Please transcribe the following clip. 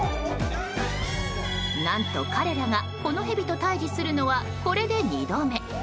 何と彼らが、このヘビと対峙するのはこれで２度目。